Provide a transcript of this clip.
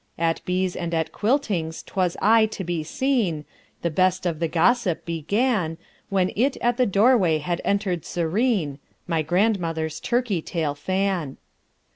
At bees and at quiltings 'twas aye to be seen; The best of the gossip began When in at the doorway had entered serene My grandmother's turkey tail fan.